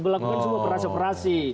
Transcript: belakukan semua operasi operasi